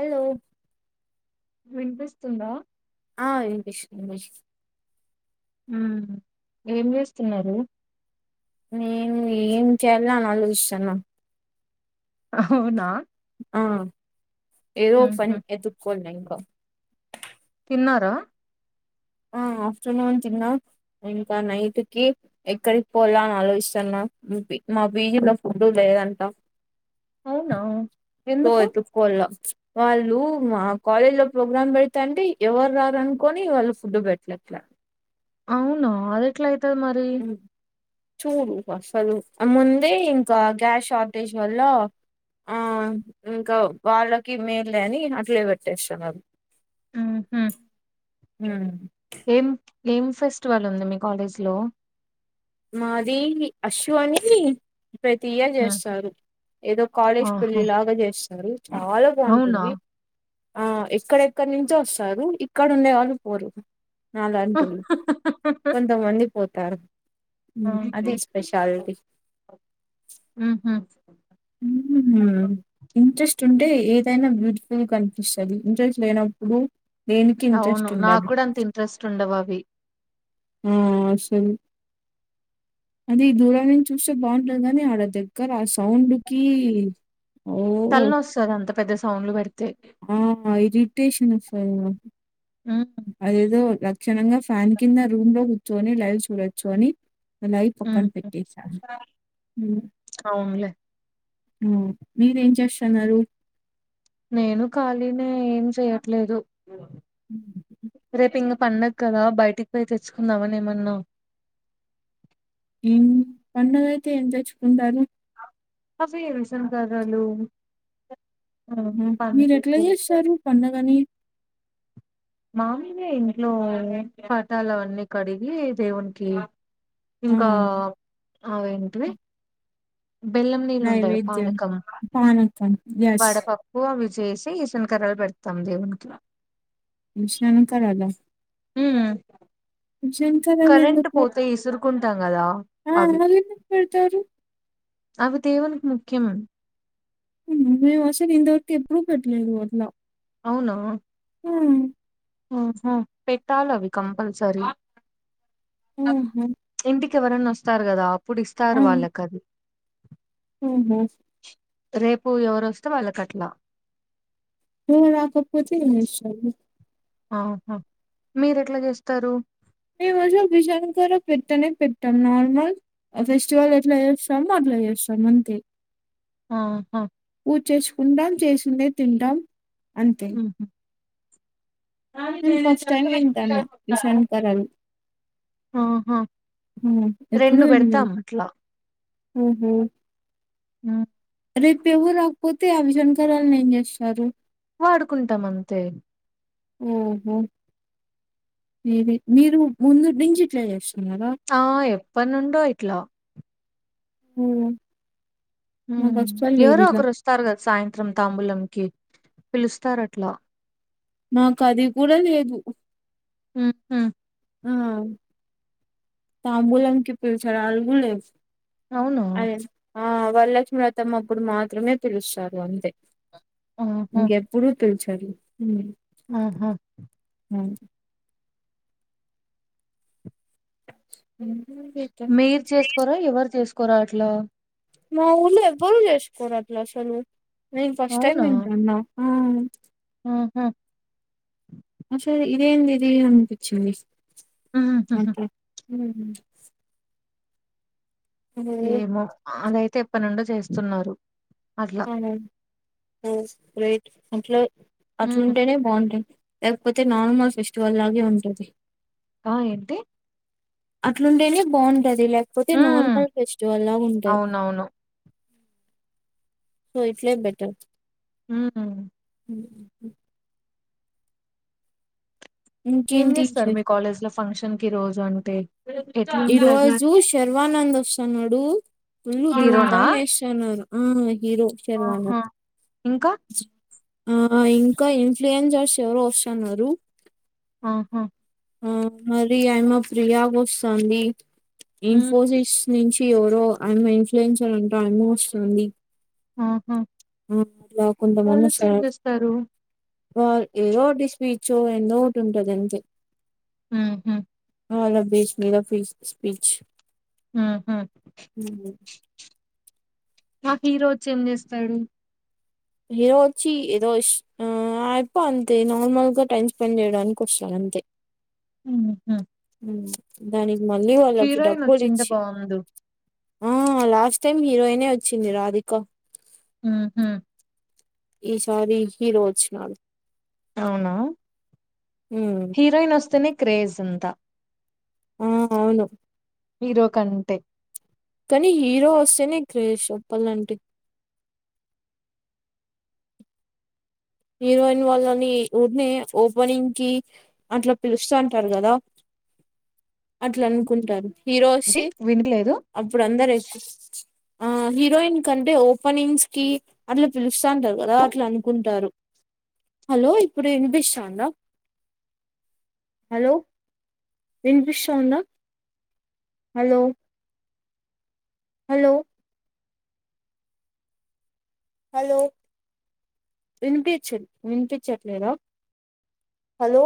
Hello వినిపిస్తుందా ఆ [unintelligible] హు ఏం చేస్తున్నారు, నేను ఏం చేయాలి అని ఆలోచిస్తాన అవునా ఆ ఏదో పని ఉహు ఎత్తుకొని కో తిన్నారా. ఆ ఆఫ్టర్నూన్ తిన్నా ఇంకా నైట్ కి ఎక్కడికి పోవాల అని ఆలోయిస్తన్న మా బీజీ లో ఫుడ్ లేదంట. అవునా. పో ఎందుకు ఐతే పోలా. వాళ్ళూ మా కాలేజి లో ప్రోగ్రామ్ పెడత అంటీ ఎవరు రారు అనుకొని వాళ్ళు ఫుడ్ పెట్టలేటట్లే. అవునా అదేట్లాఐ. తే మరి. చూడు, అసలు ముందే ఇంకా గ్యాస్ షార్టేజ్ వల్ల, ఆ ఇంకా వాళ్ళకి మేలె అని, అట్లే పెట్టేస్తున్నారు. ఊ హ. [inaudible] ఏం, ఏం ఫెస్టివల్ ఉంది, మీ కాలేజ్ లో. మాది, అశు అని. ప్రతి ఇయార్ ఉమ్ జెస్తారు, ఏదో కాలేజ్ ఆహా పెళ్లిి లాగా జెస్తారు, చాలా అవునా బాగుంటుంది. ఆ ఎక్కడెక్కడ నుంచో వొస్తారూ, ఇక్కడ ఉండే వాళ్ళు పోరు. నా లాంటోళ్ళు కొంతమంది. పోతారూ. [inaudible] ఇంట్రెస్. తింటే ఏదైనా, బ్యూటిఫుల్ కనిపిస్తది, ఇంట్రెస్ట్ లేనప్పుడు. దేనికి అవును, ఇంట్రెస్ట్ నాకు ఉండదు కూడా అంత, ఇంట్రెస్ట్ ఉండవు అవి. ఆ అసలు, అది ఈ దూరం నుంచి చూస్తే బాగుంటది కాని, అలా దగ్గర ఆ సౌండ్ కీ. తలనొస్తది అంతా. పెద్ద సౌండ్లు పెడ్. ఆ ఇరిటేషన్ ఓస్. [unintelligible] ఉమ్ అదేదొ. క్షణంగా ఫ్యాన్ కింద రూమ్ లో కూర్చొని, లైవ్ చూడొచ్చు అని. మలయి పక్కన ఉహు పెట్టేసాను. అవునులే మీర ఏం చేస్తున్నారు. నేను ఖాళీనే, ఏం చేయట్లేదు. హ్మ్. రేపు ఇంగ. పండగ కదా, బయటికి పోయి తెచ్చుకుందామని ఏమన్నా. ఏం పండగ అయితే ఏం తెచ్చుకుందాము. అసల్ విషంకర్రలు. మీరు ఎట్లా యేస్తారు పండగని. మామూలు గ ఇంట్లో, పాటాలవన్ని కడిగి దేవునికి. ఆ! ఇంకా. అ ఏంటిది నైవేద్యం పానకం యెస్. వడ పప్పు అ వి చేసి ఈసన్కరల పెడతాం దేవునికి విసన కర్రల ఉమ్ విసన కర్రలు ఎందుకు కుంటారు ఆ మళ్లీ ఎప్పుడు పెడతారు అవి దేవునికి ముఖ్యం మేము అసలు ఇంతవరకు ఎప్పుడు పెట్టలేదు వాట్లో అవునా హ్మ్ ఓహో పేట్టాలవి కంపల్సరి ఆహా! ఇంటి ఎవరన్న వస్తారు కదా అప్పుడు ఇస్తారు వాళ్ళకది మ్ హు రేపు ఎవరోస్తే వాళ్ళకట్లా ఎవరు రాకపోతే మన ఇష్టమా ఆహా మీరు ఎట్లా చేస్తారు మేము రజు విిజాన్కారు పెట్టనే పెట్టాం నార్మల్ ఫెస్టివల్ ఎట్లా చేస్తాము అట్లా చేస్తాము అంతే ఆహా పూజ చేసుకుంటాం చేసిందే తింటాం అంతే ఉహు. నేను ఫస్ట్ టైం వింటాను బిర్యానీ కూరలు ఆహా రెండు పెడతాం అట్లా హహ ఆ రేపు ఎవరు రాకపోతే అవి జన్కరాలు ఏం చేస్తారు వాడుకుంటాం అంతే ఓహో మీ మీరు ముందు నించ్చి ఇట్లే చేస్తున్నారా ఆ ఎప్పుడినుండో ఇట్ల హ్మ్ హ్మ్ ఎవరో ఒకరు వస్తారు కదా సాయంత్రం తాంబూలంకి పిలుస్తారట్లా నాకు అది కూడా లేదు మ్ హు ఆ తాబూలంకి పీల్చలాడు అది కూడా లేదు అవును ఆ వరలక్ష్మి వ్రతం అప్పుడు మాత్రమే పిలుస్తారు అంతే ఆహా, ఇంకెప్పుడూ పిల్చ్ మ్ ఆహా అ మీర్ చేస్కోరా ఎవర్ చేస్ కోరా అట్లా మా ఊర్లో ఎవ్వరు చేసుకోరట్ల అసలు నేను ఫస్ట్ టైమ్ వింటున్నా ఆ ఆహ అసల్ ఇదేందిది అనిపిచ్చింది. హ్ హ్ మ్ హ్ ఏమో అదై తెప్పనుండో చేస్తున్నారు. అట్లా ఓ రె అంట్లే హ్మ్. అట్లుంటేనే బాగుంటాయి. లేక్పోతే నార్మల్ ఫెస్టివల్ లాగే ఉంటది. ఆ ఏంటి అట్లుంటేనే బాగుం టది లేక్పోతే హ్మ్. నార్మల్ ఫెస్టివల్లా ఉంటయి అవునవును. సో ఇట్లే బెటర్ హ్ ఉ ఏం ఇంకేంటి చేస్తారు మీ విశేషాలు కాలేజ్ల ఫంక్షన్ కి రోజూ అంటే ఈ ఎట్లుంటది? రోజు శర్వానంద్ వస్తున్నాడు ఫుల్లు హీరోనా? ధూమ్ధాం ఏస్తున్నారు. ఆ హీరో ఆహా! శర్వానంద్ ఇంకా? ఆ ఇంకా ఇన్ఫ్లుయెన్జర్స్ ఎవరో వస్తున్నారు. ఆహా ఆ మరి అయ మా ప్రియా గోష్ తాంది. హ్మ్. ఇన్ఫోసిస్ నుంచి ఎవరో ఆమె ఇన్ఫ్లుయన్సర్ అంట అయ్మ వస్తుంది. ఆహా! ఆ అట్లా కొంతమంది వాళ్ళొచ్చి ఏం వస్సనార్ చేస్తారు? వాల్ ఏదో ఒకటి స్పీచ్చు ఎందో ఒకటి ఉంటది. అంతే ఉహు ఆ ల్లోభేష్ గుళ్ళాపీస్, స్పీచ్ హుహు. మ్మ్ నాక్ హీరో వచ్చి ఏం చేస్తాడు. ఏదో వచ్చి ఏదోశ్ ఆ అయప్పో, అంతే నార్మల్గా టైమ్ స్పెండ్ చేయడానికి వచ్చాడు. అంతే ఉహాహ్ హ్మ్ దాని మళ్లీ వాళ్లకి వచ్చుంటే డబ్బులిచ్చి బావుండు. ఆ లాస్ట్ టైమ్ హీరోయినే వచ్చింది. రాధిక ఉహు ఈ సారికి రోజ్నాల్ అవునా ఉమ్ హీరోయిన్ వస్తేనే క్రేజ్ంతా ఆ అవును హీరో కంటే కానీ హీరో వస్తేనే, క్రేష్ చెప్పాలంటే హీరోయిన్ వాళ్ళని [unintelligible] ఓపెనింగ్ కి అట్లా పిలుస్తా అంటారు. కదా అట్లా అనుకుంటారు. ఏంటి హీరోస్సీ వినలేదు? అప్పుడు అందరైత్ ఆ హీరోయిన్ కంటే ఓపెనింగ్స్ కి అట్లా పిలు ష్టాంటారు. కదా అట్లన్ కుంటారు. హలో ఇప్పుడు ఇన్ఫిషాందా, హలో ఇన్ఫిషోందా హలో హలో హలో వినిపియచ్చట్, విన్పిచట్లేదా హలో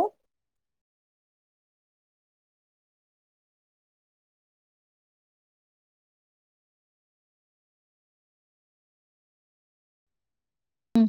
హ్మ్.